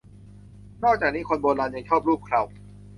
นอกจากนี้คนโบราณยังชอบลูบเครา